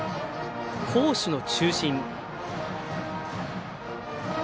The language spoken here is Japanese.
攻守の中心。